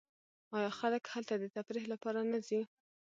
آیا خلک هلته د تفریح لپاره نه ځي؟